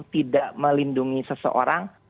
tidak melindungi seseorang